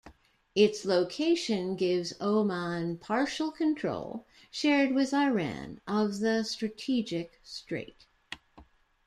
Its location gives Oman partial control, shared with Iran, of the strategic strait.